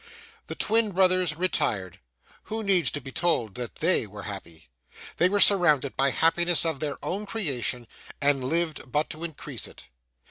The twin brothers retired. Who needs to be told that THEY were happy? They were surrounded by happiness of their own creation, and lived but to increase it.